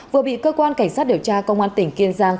vừa bị cơ quan cảnh sát điều tra công an tỉnh kiên giang